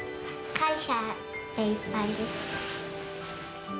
感謝でいっぱいです。